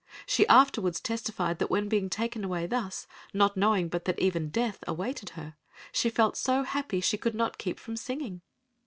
She afterwards testified that when being taken away thus, not knowing but that even death awaited her, she felt so happy she could not keep from singing.